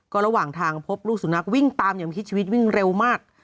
ก็ระหว่างทางพบลูกสุนัขวิ่งตามอย่างคิดชีวิตวิ่งเร็วมาก